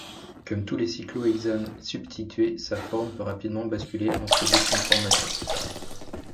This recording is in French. Comme tous les cyclohexanes substitués, sa forme peut rapidement basculer entre deux conformations.